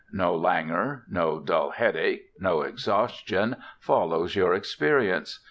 No languor, no dull headache, no exhaustion, follows your experience.